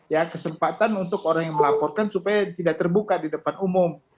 ya kesempatan untuk orang yang melaporkan supaya tidak terbuka di depan umum